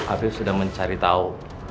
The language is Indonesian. afif sudah mencari tau